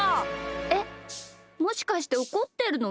えっもしかしておこってるの？